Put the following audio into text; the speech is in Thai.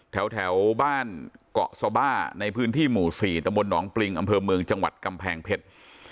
แถวบ้านเกาะสบ้าในพื้นที่หมู่๔ตำบลหนองปริงอำเภอเมืองจังหวัดกำแพงเพชร